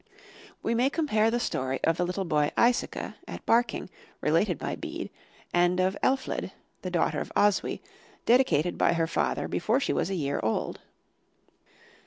We may compare the story of the little boy, Aesica, at Barking, related by Bede, and of Elfled, the daughter of Oswy, dedicated by her father before she was a year old.